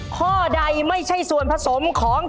แกละก่อน